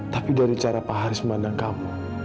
tapi dari cara pak haris memandang kamu